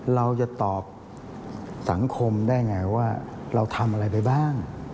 เราจะตอบสังคมได้ไงว่าเราทำอะไรไปบ้าง